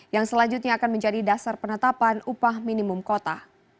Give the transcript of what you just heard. yang selanjutnya akan menjadi dasar penetapan upah minimum kota